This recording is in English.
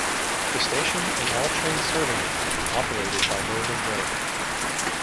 The station, and all trains serving it, were operated by Northern Rail.